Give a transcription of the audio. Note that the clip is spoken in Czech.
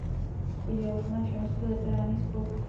Podílel se na činnosti literárních spolků.